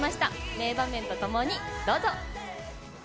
名場面とともにどうぞ。